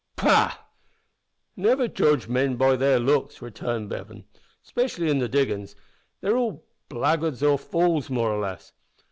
"Pooh! Never judge men by their looks," returned Bevan "specially in the diggin's. They're all blackguards or fools, more or less.